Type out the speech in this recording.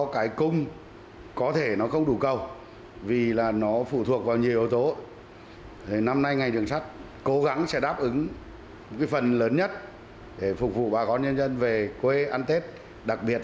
các tỉnh việt nam để về quen tết